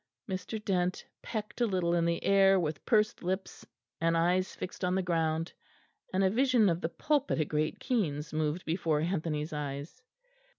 Mr. Dent pecked a little in the air with pursed lips and eyes fixed on the ground; and a vision of the pulpit at Great Keynes moved before Anthony's eyes.